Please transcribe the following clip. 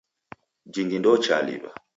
Jingi ndouchaliw'a.